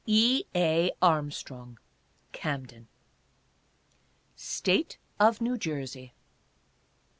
E. A. ARMSTRONG: Camden. STATE OF NEW JERSEY.